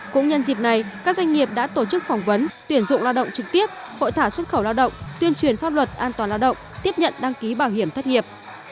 cũng nhân dịp này các doanh nghiệp đã tổ chức phỏng vấn tuyển dụng lao động trực tiếp hội thảo xuất khẩu lao động tuyên truyền pháp luật an toàn lao động tiếp nhận đăng ký bảo hiểm thất nghiệp